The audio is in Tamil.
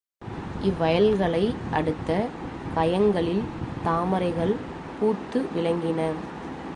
இவ்வயல்களை அடுத்த கயங்களில் தாமரைகள் பூத்து விளங்கின.